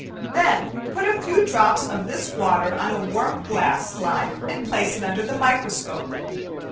Then put a few drops of this water on a warm glass slide and place it under the microscope.